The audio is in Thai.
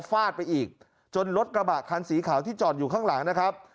ฟาดไปอีกจนรถกระบะคันสีขาวที่จอดอยู่ข้างหลังนะครับ